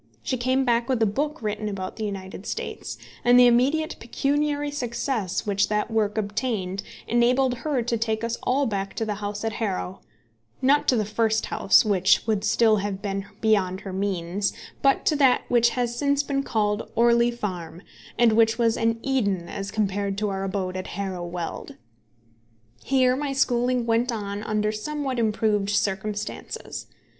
She came back with a book written about the United States, and the immediate pecuniary success which that work obtained enabled her to take us all back to the house at Harrow, not to the first house, which would still have been beyond her means, but to that which has since been called Orley Farm, and which was an Eden as compared to our abode at Harrow Weald. Here my schooling went on under somewhat improved circumstances.